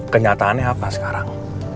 kenyataannya apa sekarang